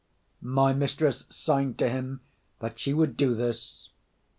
My mistress signed to him that she would do this.